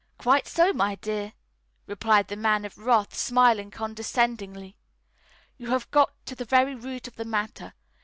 "Quite so, my dear," replied the Man of Wrath, smiling condescendingly. "You have got to the very root of the matter.